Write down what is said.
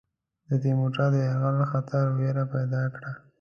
د تیمور شاه د یرغل خطر وېره پیدا کړه.